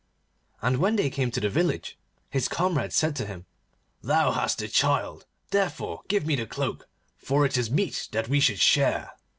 And when they came to the village, his comrade said to him, 'Thou hast the child, therefore give me the cloak, for it is meet that we should share.